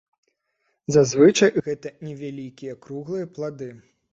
Зазвычай гэта невялікія круглыя плады.